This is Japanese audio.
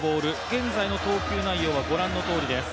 現在の投球内容はご覧のとおりです。